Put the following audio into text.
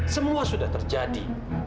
semua sudah terjadi